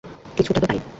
কিছুটা তো তাই।